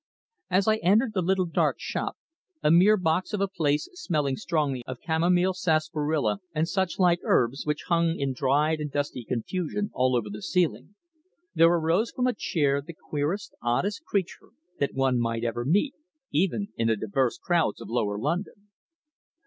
As I entered the dark little shop, a mere box of a place smelling strongly of camomile, sarsaparilla and such like herbs, which hung in dried and dusty confusion all over the ceiling, there arose from a chair the queerest, oddest creature that one might ever meet, even in the diverse crowds of lower London.